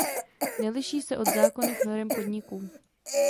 Neliší se od zákonných norem podniků.